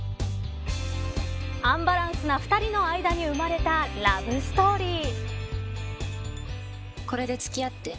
アンバランスな２人の間に生まれたラブストーリー。